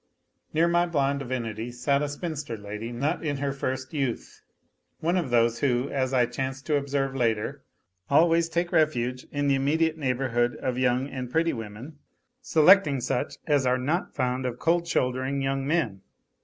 Near my blonde divinity sat a spinster lady not in her first youth, one of those who, as I chanced to observe later, always take refuge in the immediate neighbourhood of young and pretty women, selecting such as are not fond of cold shouldering young men.